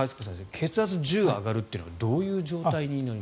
血圧が１０上がるというのはどういう状態になる？